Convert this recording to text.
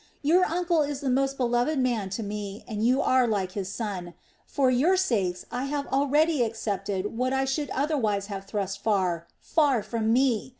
Your uncle is the most beloved of men to me, and you are like his son. For your sakes I have already accepted what I should otherwise have thrust far, far from me!